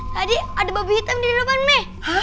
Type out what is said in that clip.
tadi ada babi hitam di depan mami